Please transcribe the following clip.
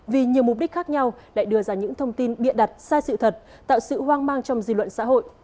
vì nhiều mục đích khác nhau lại đưa ra những thông tin bịa đặt sai sự thật tạo sự hoang mang trong dư luận xã hội